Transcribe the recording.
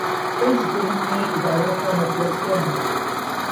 اس ضمن میں اداروں کا مطلب کیا ہے؟